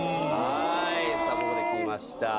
ここで来ました。